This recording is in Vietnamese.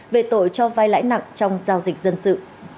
về tội cho vai lãi nặng trong giao dịch dân sự